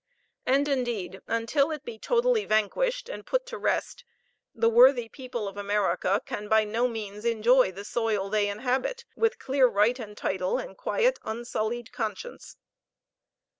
And, indeed, until it be totally vanquished, and put to rest, the worthy people of America can by no means enjoy the soil they inhabit with clear right and title, and quiet, unsullied conscience.